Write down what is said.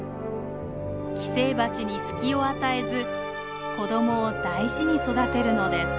寄生バチに隙を与えず子供を大事に育てるのです。